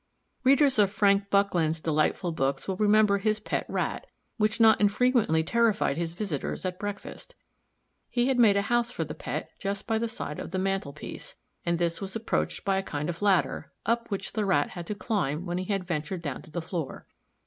Readers of Frank Buckland's delightful books will remember his pet Rat, which not infrequently terrified his visitors at breakfast. He had made a house for the pet just by the side of the mantel piece, and this was approached by a kind of ladder, up which the Rat had to climb when he had ventured down to the floor.